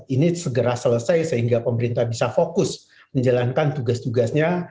ini segera selesai sehingga pemerintah bisa fokus menjalankan tugas tugasnya